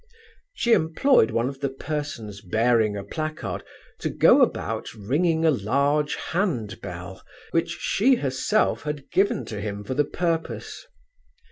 She employed one of the persons bearing a placard to go about ringing a large hand bell which she, herself, had given to him for the purpose.